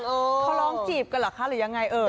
เขาร้องจีบกันเหรอคะหรือยังไงเอ่ย